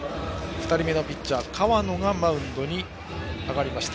２人目のピッチャー河野がマウンドに上がりました。